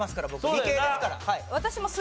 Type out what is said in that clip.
理系ですから。